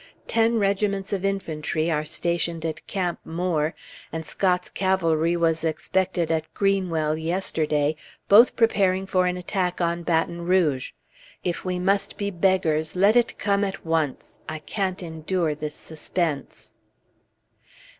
Ten regiments of infantry are stationed at Camp Moore, and Scott's cavalry was expected at Greenwell yesterday, both preparing for an attack on Baton Rouge. If we must be beggars, let it come at once; I can't endure this suspense.